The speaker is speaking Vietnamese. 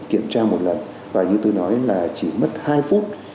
kiểm tra một lần và như tôi nói là chỉ mất hai phút